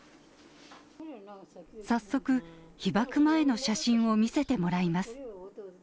早速、被爆前の写真を見せてもらいます。